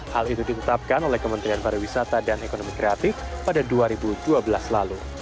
hal itu ditetapkan oleh kementerian pariwisata dan ekonomi kreatif pada dua ribu dua belas lalu